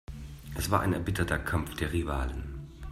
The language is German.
Es war ein erbitterter Kampf der Rivalen.